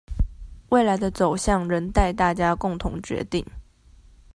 未來的走向仍待大家共同決定